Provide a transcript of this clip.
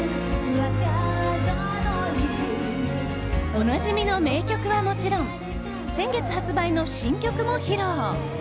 おなじみの名曲はもちろん先月発売の新曲も披露。